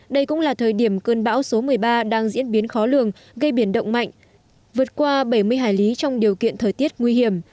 đây cũng là thời điểm cơn bão số một mươi ba đang diễn biến khó lường gây biển động mạnh vượt qua bảy mươi hải lý trong điều kiện thời tiết nguy hiểm